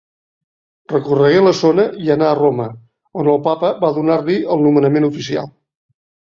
Recorregué la zona i anà a Roma, on el papa va donar-li el nomenament oficial.